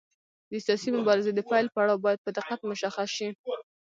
د سیاسي مبارزې د پیل پړاو باید په دقت مشخص شي.